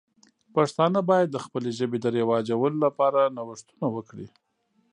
پښتانه باید د خپلې ژبې د رواجولو لپاره نوښتونه وکړي.